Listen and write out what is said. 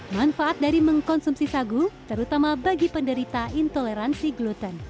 manfaat dari mengkonsumsi sagu terutama bagi penderita intoleransi gluten